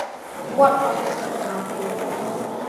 What are you doing out here.